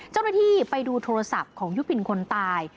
เจ้าหน้าที่ไปดูโทรศัพท์ของยุพินคนตาย